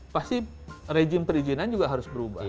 pasti rejim perizinan juga harus berubah